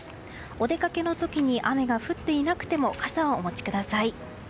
お出かけの時に雨が降っていなくても傘をお持ちください。